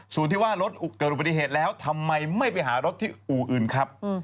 ส่วนที่ว่ารถเกิดอุบัติเหตุแล้วทำไมไม่ไปหารถที่อู่อื่นครับ